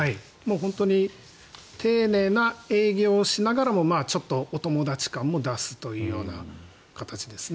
本当に丁寧な営業をしながらもちょっとお友達感も出すという形ですね。